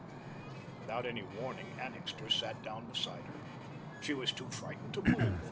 Without any warning, Annixter sat down beside her. She was too frightened to move.